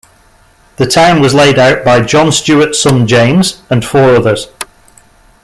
The town was laid out by John Stewart's son James, and four others.